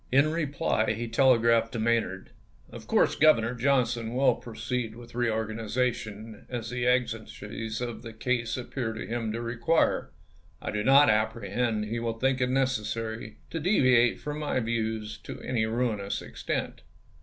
In reply he telegraphed to Maynard: "Of course Governor Johnson will proceed with reorganization as the exigencies of the case appear to him to requn e. I do not apprehend he will think it necessary to deviate from my views to any ruinous extent.